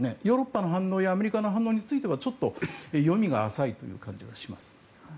ヨーロッパの反応やアメリカの反応についてはちょっと読みが浅いという感じがします。